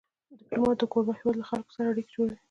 ډيپلومات د کوربه هېواد له خلکو سره اړیکې جوړوي.